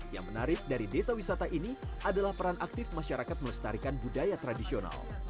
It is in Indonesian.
yang menarik dari desa wisata ini adalah peran aktif masyarakat melestarikan budaya tradisional